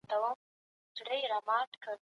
که د خلګو د ژوند کچه ښه سي، ټوله ټولنه به هوسا سي.